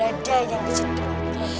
ada yang sedrum